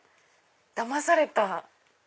だまされた。